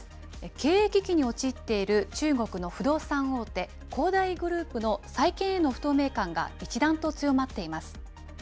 経営危機に陥っている中国の不動産大手、恒大グループの再建への不透明感が一段と強まっています。